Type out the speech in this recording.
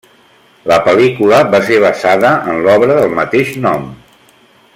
La pel·lícula va ser basada en l'obra del mateix nom.